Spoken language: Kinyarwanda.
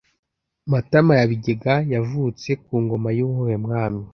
Matama ya bigega yavutse ku ngoma y’uwuhe mwami